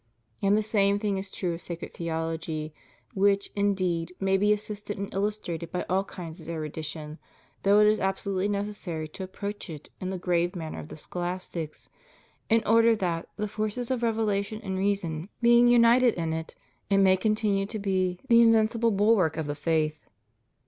And the same thing is true of sacred theology, which, indeed, may be assisted and illustrated by all kinds of erudition, though it is absolutely necessary to approach it in the grave manner of the scholastics, in order that, the forces of revelation and reason being united in it, it may con tinue to be "the invincible bulwark of the faith."